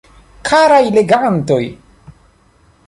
Karaj legantoj!